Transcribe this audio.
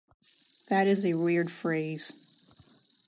That is a weird phrase.